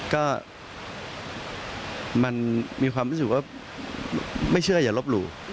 ก็มันมีความรู้สึกว่าไม่เชื่ออย่าลบหลู่